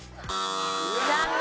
残念。